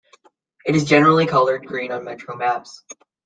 It is generally coloured green on Metro maps.